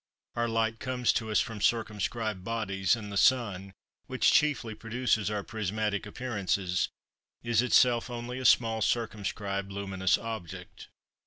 Our light comes to us from circumscribed bodies; and the sun, which chiefly produces our prismatic appearances, is itself only a small, circumscribed, luminous object.